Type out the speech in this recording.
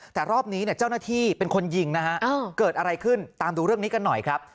แต่รอบนี้เนี่ยเจ้าหน้าที่เป็นคนยิงนะฮะเกิดอะไรขึ้นตามดูเรื่องนี้กันหน่อยครับ